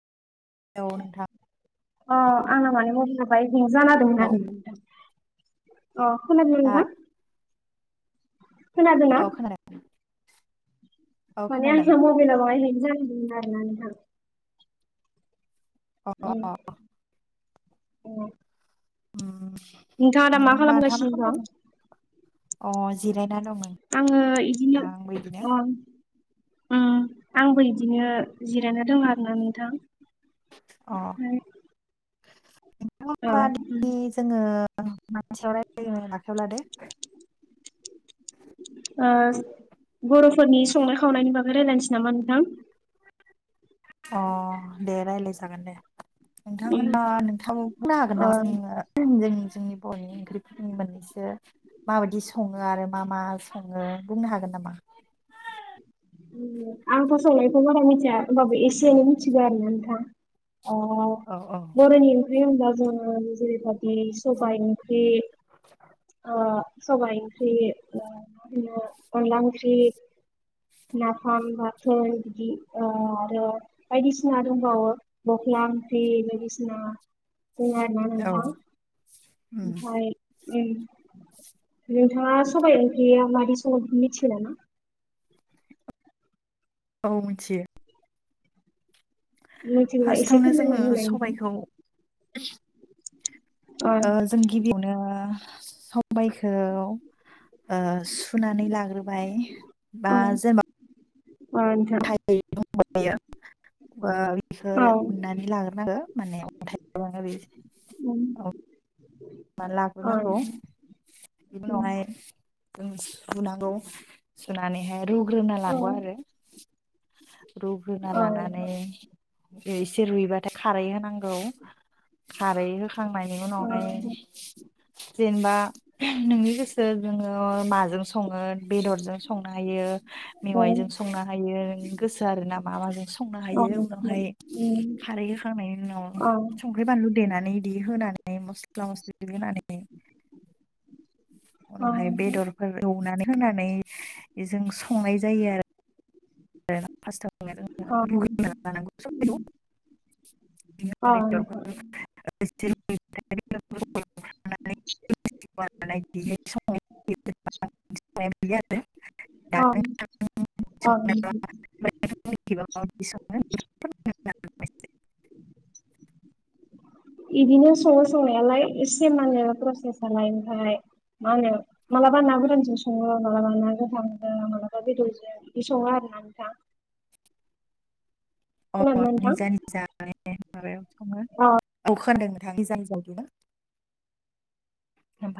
औ नोंथां अ आंना मानोबा गेजेरावहाय हें जाना होदोंमोन हेलौ आरो नोंथां अ खोनादोंना हा नोंथां? खोनादोंना? औ खोनादों औ माने खोनादों आंसो मबेलावहाय हें जादोंमोन आरोना नोंथां अ [unintelligible] अ [inaudible] नोंथाङा दा मा खालामगासिनो दं? अ जिराय आङो इदिनो उम उम आंबो एदिनो जिरायना दङ आरोना नोंथां अ नोंथां औ ओमबा [unintelligible] दिनि जोङो [unintelligible] मानि सायाव रायलायनो आखायाव लादो? ओ बर'फोरनि संनाय खावनायनि बागै रायलायनोसै नामा नोंथां? अ दे रायलाय जागोन दे। नोंथां उम होनबा नोंथाङाबो बुंनो हागोन ओ नामा जोङो जोंनि जोंनि बर'नि ओंख्रिफोरनि मोननैसो माबायदि सङो आरो मा मा सङो बुंनो हागोन। नामा? आंथ संलायखौ बारा मिथिया होनबाबो एसे एनै मिथिगौ आरोना नोंथां। ओ औ औ बर'नि ओंख्रि होनबा- जोङो जेरैबादि सबाइ ओंख्रि। ओ सबाइ ओंख्रि, ओ माहोनो अनल्ला ओंख्रि। [inaudible] नाफाम बाथोन बिदि आरो बायदिसिना दंबावो बख्लाम ओंख्रि बायदिसिना दं आरोना औ नोंथां उम ओमफ्राय उम। नोंथाङा सबाय ओंख्रिया मादि सङो मिथिगौ नामा? औ मोनथियो। मिथिगौबा एसे फार्स्टावनो जोङो फोरमायनानै होलाय सबाइखौ। नोंथां औ ओ जों गिबियावनो समबाइखौ सुनानै लाग्रोबाय बा अ जेनबा नोंथां गथायै दंबा एयो बा बेखौ औ उननानै लाग्रोनांगो माने अन्थाइ उम। रुना औ लाग्रोनांगौ बिनि उम उनावहाय जों सुनांगौ सुनानैहाय रुग्रोना लांगौ आरो। रुग्रोना लानानै औ एसे रुइबाथाय खारै होनांगौ खारै हो खांनायनि उनावहाय ओ जेनेबा नोंनि गोसो जोङो माजों सङो बेदरजों संनो हायो। मेवाइजों संनो हायो नोंनि गोसो आरो ना मा माजों स नो हायो उनावहाय खारै होखांनायनि उनाव संख्रि बानलु देनानै दि होनानै मस्ला मस्लि होनानै। उनावहाय बेदरफोर एवनानै होनानै बेजों संनाय जायो आरो। [unintelligible] [unintelligible] [inaudible] [inaudible] [inaudible] [inaudible] इदिनो सङो संनायालाय एसे माने [unintelligible] मा होनो मालाबा ना गोरानजों सङो मालाबा ना गोथांजों मालाबा बेदरजों बे सङो आरो [unintelligible] [inaudible] अ खोनादोंना निजा नोंथां? निजा माबायाव सङो [unintelligible] [inaudible]